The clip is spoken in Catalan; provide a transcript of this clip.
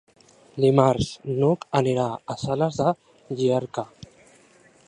Dimarts n'Hug anirà a Sales de Llierca.